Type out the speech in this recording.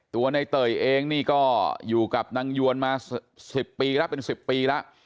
ตัวในเตยเองนี่ก็อยู่กับนางยวนมา๑๐ปีแล้วเป็น๑๐ปีแล้ว